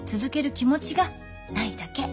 気持ちがないだけ。